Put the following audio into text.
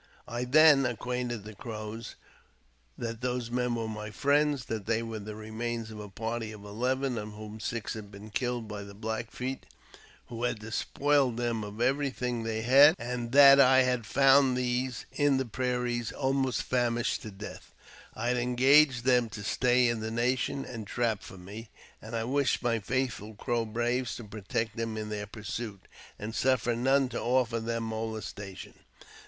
I then acquainted the Crows that those men were my friends ; that they were the remains of a party of eleven, of whom six had been killed by the Black Feet, who had despoiled them of everything they had, and that I had found these in the prairie almost famished to death. I had engaged them to stay in the nation and trap for me, and I wished my faithful Crow braves to protect them in their pursuit, and suffer none to offer them molestation.